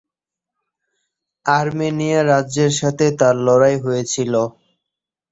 Armenia রাজ্যের সাথে তার লড়াই হয়েছিল।